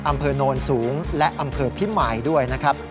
อำเภอโนนสูงและอำเภอพิมมายด้วย